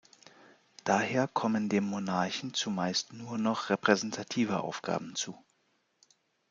Daher kommen dem Monarchen zumeist nur noch repräsentative Aufgaben zu.